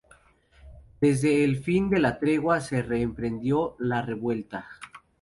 Desde el fin de la tregua se reemprendió la revuelta.